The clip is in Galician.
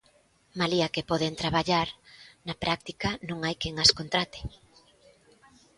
Malia que poden traballar, na práctica non hai quen as contrate.